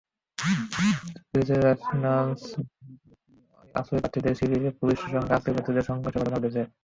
গ্রিসের লেসবস দ্বীপে একটি আশ্রয়প্রার্থীদের শিবিরে পুলিশের সঙ্গে আশ্রয়প্রার্থীদের সংঘর্ষের ঘটনা ঘটেছে।